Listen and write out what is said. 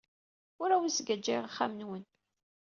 Ur awen-sgajjayeɣ axxam-nwen.